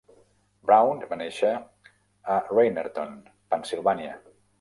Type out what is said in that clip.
Brown va néixer a Reinerton, Pennsilvània.